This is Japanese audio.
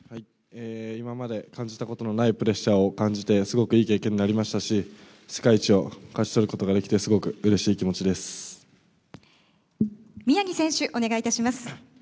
今まで感じたことのないプレッシャーを感じて、すごくいい経験になりましたし、世界一を勝ち取ることができて、すごくうれし宮城選手、お願いいたします。